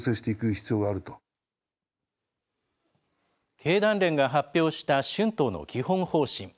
経団連が発表した春闘の基本方針。